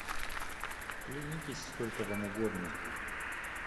Клянитесь, сколько вам угодно!